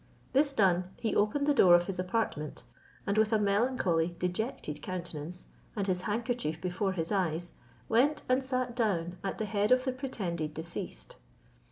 This done, he opened the door of his apartment, and with a melancholy, dejected countenance, and his handkerchief before his eyes, went and sat down at the head of the pretended deceased.